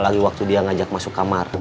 lagi waktu dia ngajak masuk kamar